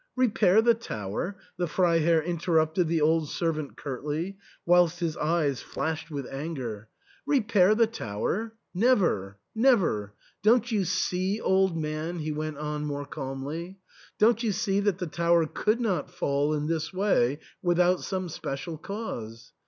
" Repair the tower ?" the Freiherr interrupted the old servant curtly, whilst his eyes flashed with anger, 278 THE ENTAIL. "Repair the tower? Never, never! Don't you see, old man," he went on more calmly, " don't you see that the tower could not fall in this way without some spe cial cause